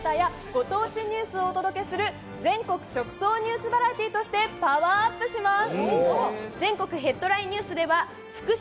今夜『ＳＨＯＷチャンネル』が旬な情報や時事ネタ、ご当地ニュースをお届けする全国直送ニュースバラエティーとしてパワーアップします。